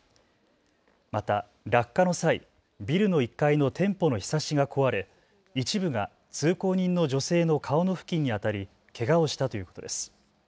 また落下の際、ビルの１階の店舗のひさしが壊れ一部が通行人の女性の顔の付近に当たりけがをしたということです。